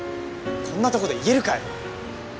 こんなとこで言えるかよ。